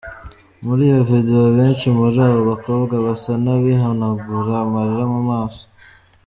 Muri iyo video benshi muri abo bakobwa basa n'abihanagura amarira mu maso.